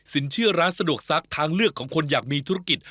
เชื่อร้านสะดวกซักทางเลือกของคนอยากมีธุรกิจ